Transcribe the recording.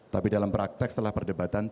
tapi dalam praktek setelah perdebatan